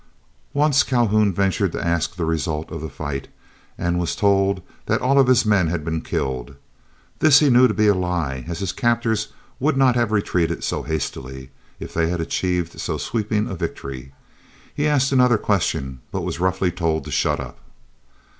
Once Calhoun ventured to ask the result of the fight, and was told that all of his men had been killed. This he knew to be a lie, as his captors would not have retreated so hastily if they had achieved so sweeping a victory. He asked another question, but was roughly told to shut up.